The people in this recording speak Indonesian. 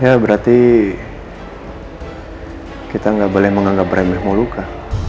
ya berarti kita gak boleh menganggap remeh moluka